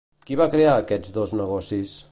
Qui va crear aquests dos negocis?